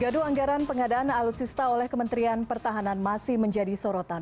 gaduh anggaran pengadaan alutsista oleh kementerian pertahanan masih menjadi sorotan